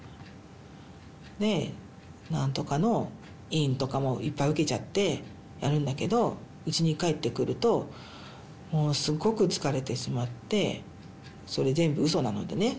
で何とかの委員とかもいっぱい受けちゃってやるんだけどうちに帰ってくるともうすごく疲れてしまってそれ全部うそなのでね。